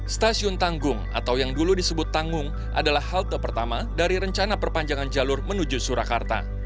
stasiun tanggung atau yang dulu disebut tanggung adalah halte pertama dari rencana perpanjangan jalur menuju surakarta